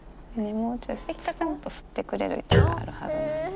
もうちょい、すぽんと吸ってくれる位置があるはずなんです。